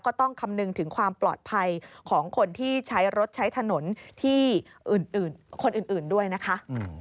ก็ต้องคำนึงถึงความปลอดภัยของคนที่ใช้รถใช้ถนนที่อื่นคนอื่นด้วยนะคะ